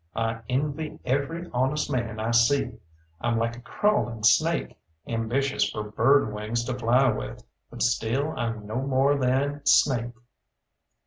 I envy every honest man I see. I'm like a crawling snake, ambitious for bird wings to fly with; but still I'm no more than snake."